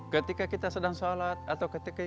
ketika kita sedang shalat